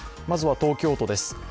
まずは東京都です。